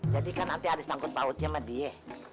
jadi kan nanti ada sangkut pautnya sama dia